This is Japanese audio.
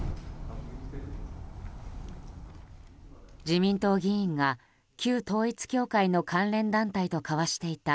自民党議員が、旧統一教会の関連団体と交わしていた